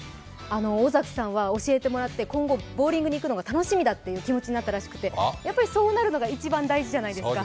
尾崎さんは教えてもらって、今後、ボウリングに行くのが楽しみだという気持ちなったらしくて、そうなるのが一番大事じゃないですか。